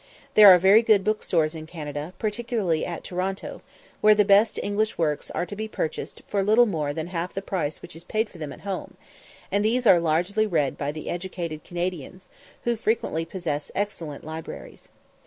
There are very good book stores in Canada, particularly at Toronto, where the best English works are to be purchased for little more than half the price which is paid for them at home, and these are largely read by the educated Canadians, who frequently possess excellent libraries.